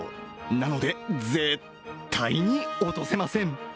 なので、絶対に落とせません。